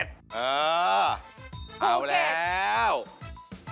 เสาคำยันอาวุธิ